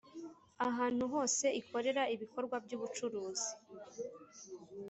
ahantu hose ikorera ibikorwa by ubucuruzi